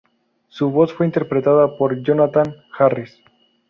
Su voz fue interpretada por Jonathan Harris.